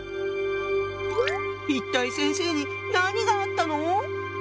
一体先生に何があったの？